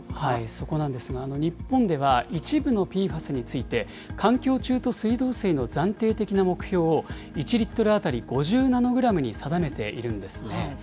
そこなんですが、日本では一部のＰＦＡＳについて、環境中と水道水の暫定的な目標を、１リットル当たり５０ナノグラムに定めているんですね。